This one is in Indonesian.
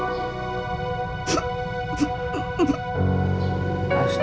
dede udah putus asa